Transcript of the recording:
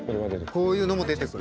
こういうのも出てくる。